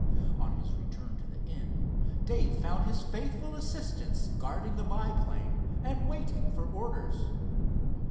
On his return to the inn Dave found his faithful assistants guarding the biplane and waiting for orders.